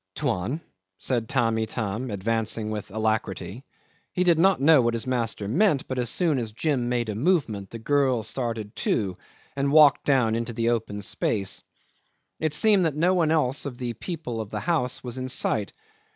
'"Tuan?" said Tamb' Itam, advancing with alacrity. He did not know what his master meant, but as soon as Jim made a movement the girl started too and walked down into the open space. It seems that no one else of the people of the house was in sight.